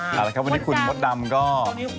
คนลงมาเดินได้แบบรถไม่ขยับ